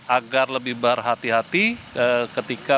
agar lebih berhati hati ketika